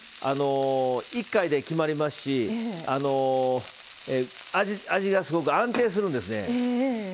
一回で決まりますし味がすごく安定するんですね。